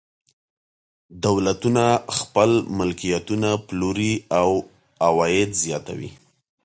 دولتونه خپل ملکیتونه پلوري او عواید زیاتوي.